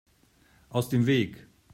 Aus dem Weg!